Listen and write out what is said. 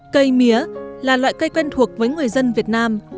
cây mía là loại cây quen thuộc với người dân việt nam